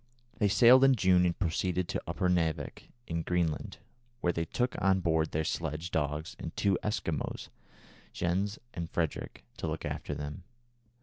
They sailed in June and proceeded to Upernavik, in Greenland, where they took on board their sledge dogs and two Eskimo, Jens and Frederick, to look after them.